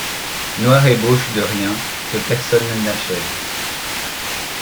Noire ébauche de rien que personne n’achève !